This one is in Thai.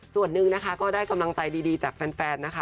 ส่วนหนึ่งนะคะก็ได้กำลังใจดีจากแฟนนะคะ